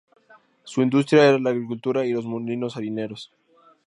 Su industria era la agricultura y los molinos harineros.